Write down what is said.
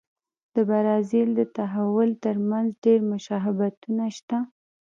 د برازیل د تحول ترمنځ ډېر مشابهتونه شته.